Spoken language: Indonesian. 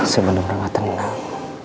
saya belum pernah tenang